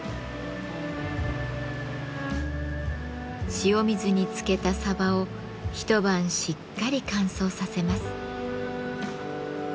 塩水につけたサバを一晩しっかり乾燥させます。